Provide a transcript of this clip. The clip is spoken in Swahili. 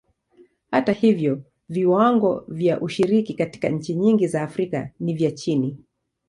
Hata hivyo, viwango vya ushiriki katika nchi nyingi za Afrika ni vya chini.